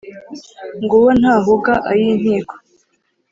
ng’uwo ntahuga ay’inkiko